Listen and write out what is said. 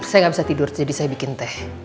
saya gabisa tidur jadi saya bikin teh